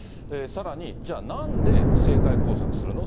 さらに、じゃあなんで、政界工作するの？